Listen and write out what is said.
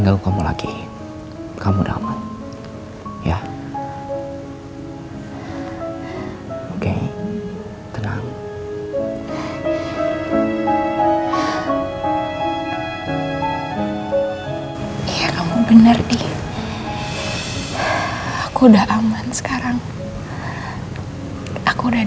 aku takut banget laki laki itu ganggu hidup aku lagi